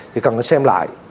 thì cần xem lại